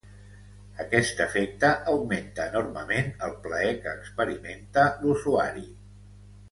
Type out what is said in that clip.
Aquest efecte augmenta enormement el plaer que experimenta l'usuari.